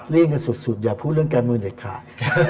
กันสุดอย่าพูดเรื่องการเมืองเด็ดขาด